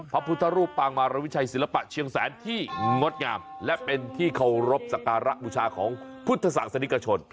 พระพุทธรูปปางมารวิชัยศิลปะเชียงแสนที่งดงามและเป็นที่เคารพสักการะบูชาของพุทธศาสนิกชน